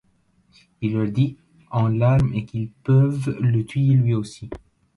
Il leur dit, en larmes et qu'ils peuvent le tuer lui aussi.